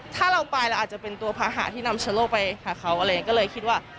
ถ้าเราไปเราอาจจะเป็นตัวภาหะที่นำชะโลกไปหาเขาอะไรอย่างนี้ก็เลยคิดว่า